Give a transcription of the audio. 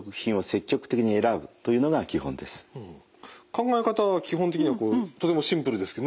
考え方は基本的にはとてもシンプルですけどね。